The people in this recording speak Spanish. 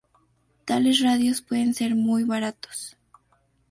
Tales radios pueden ser muy baratos.